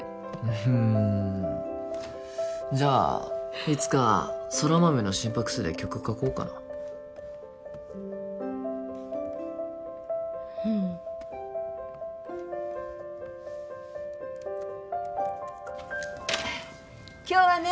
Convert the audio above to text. うんじゃあいつか空豆の心拍数で曲書こうかなうん今日はね